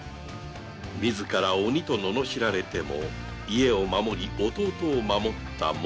自ら鬼とののしられても家を守り弟を守った“もん”